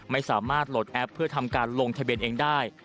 ไม่สามารถโหลดแอปเพื่อทำการลงทะเบียนเองได้